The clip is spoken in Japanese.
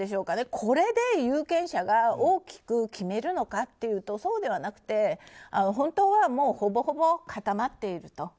ただ、これで有権者が大きく決めるのかというとそうではなくて本当は、ほぼほぼ固まっていると。